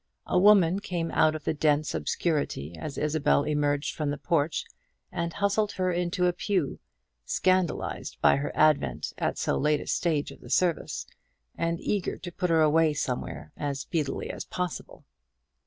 A woman came out of the dense obscurity as Isabel emerged from the porch, and hustled her into a pew; scandalized by her advent at so late a stage of the service, and eager to put her away somewhere as speedily as possible.